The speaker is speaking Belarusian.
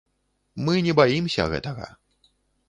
Мы не баімся гэтага.